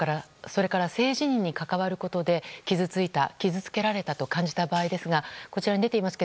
それから性自認に関わることで傷ついた傷つけられたと感じた場合ですがこちらに出ています